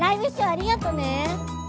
ありがとうね。